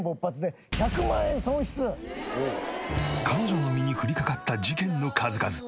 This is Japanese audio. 彼女の身に降りかかった事件の数々。